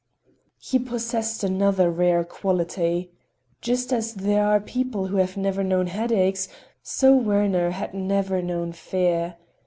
He possessed another rare quality: just as there are people who have never known headaches, so Werner had never known fear.